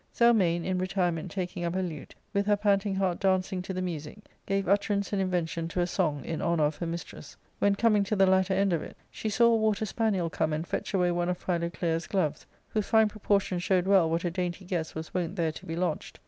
Zelmane, in retirement taking up a lute, with her panting heart dancing to the music, gave utterance and invention to a song in honour of her mistress, when, coming to the latter end of it, she saw a water spaniel come and fetch away one of Philoclea's gloves, whose fine proportion showed well what a dainty guest was wont there to be lodged.